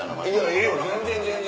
ええよ全然全然。